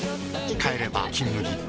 帰れば「金麦」